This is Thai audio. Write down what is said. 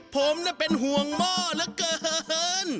ผมเป็นห่วงหม้อเหลือเกิน